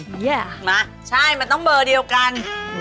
เนี่ยมาใช่มันต้องเบอร์เดียวกัน